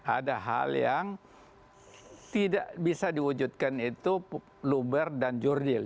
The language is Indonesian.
ada hal yang tidak bisa diwujudkan itu luber dan jurdil